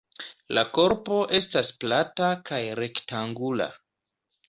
La korpo estas plata kaj rektangula.